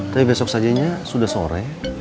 tapi besok sajanya sudah sore